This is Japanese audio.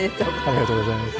ありがとうございます。